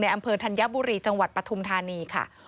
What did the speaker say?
อำเภอธัญบุรีจังหวัดปฐุมธานีค่ะ